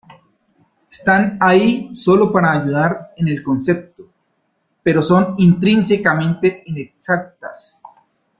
Están ahí solo para ayudar en el concepto, pero son intrínsecamente inexactas.